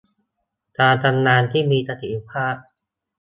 การทำงานที่มีประสิทธิภาพ